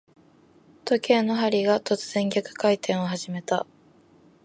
時計の針が、突然逆回転を始めた。